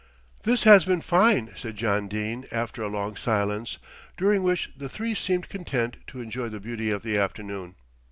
"This has been fine," said John Dene after a long silence, during which the three seemed content to enjoy the beauty of the afternoon.